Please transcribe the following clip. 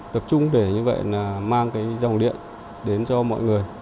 tập trung để như vậy là mang cái dòng điện đến cho mọi người